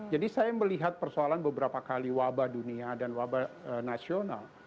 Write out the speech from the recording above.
jadi saya melihat persoalan beberapa kali wabah dunia dan wabah nasional